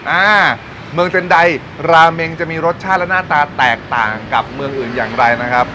อ่าเมืองเซ็นไดราเมงจะมีรสชาติและหน้าตาแตกต่างกับเมืองอื่นอย่างไรนะครับ